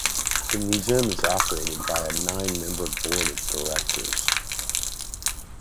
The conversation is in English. The museum is operated by a nine-member board of directors.